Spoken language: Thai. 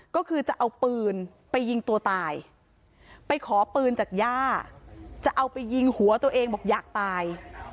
ก็คือจะเอาปืนไปยิงตัวตายไปขอปืนจากย่าจะเอาไปยิงหัวตัวเองบอกอยากตาย